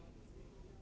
dia udah berangkat